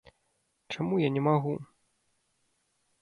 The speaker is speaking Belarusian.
Чаму я не магу?